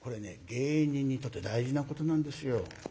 芸人にとって大事なことなんですよ。